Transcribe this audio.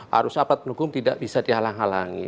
harus apat penukung tidak bisa dihalang halangi